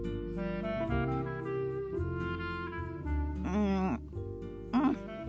うんうん。